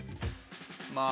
まあ。